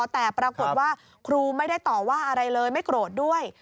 แต่ปรากฏว่าครูไม่ได้ต่อว่าอะไรเลยไม่โกรธด้วย